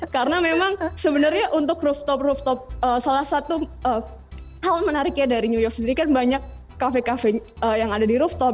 karena memang sebenarnya untuk rooftop rooftop salah satu hal menariknya dari new york sendiri kan banyak kafe kafe yang ada di rooftop